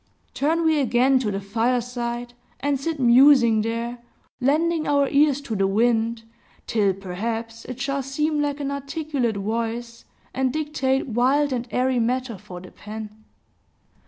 Turn we again to the fireside, and sit musing there, lending our ears to the wind, till perhaps it shall seem like an articulate voice, and dictate wild and airy matter for the pen.